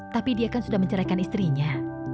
tapi dia kan sudah menceraikan istrinya